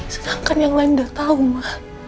sedangkan yang lain udah tau ma